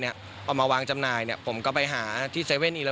เอามาวางจำหน่ายผมก็ไปหาที่๗๑๑แล้ว